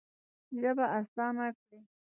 ژبه اسانه کړې.